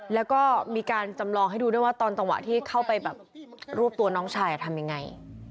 แล้วก็มีการจำลองให้ดูด้วยว่าตอนจังหวะที่เข้าไปแบบรวบตัวน้องชายทำยังไง